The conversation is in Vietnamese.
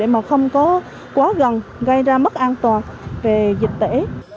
mà không có quá gần gây ra mất an toàn về dịch tễ